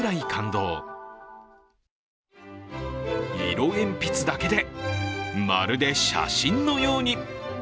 色鉛筆だけでまるで写真のように。